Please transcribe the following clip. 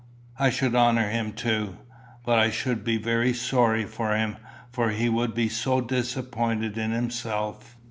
I should honour him too. But I should be very sorry for him. For he would be so disappointed in himself."